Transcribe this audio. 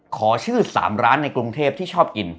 ขอชื่อ๓ร้านในกรุงเทพที่ชอบกิน